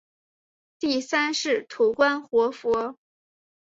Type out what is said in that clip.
第三世土观活佛。